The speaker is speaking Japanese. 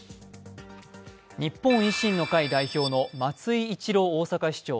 日本維新の会代表の松井一郎大阪市長。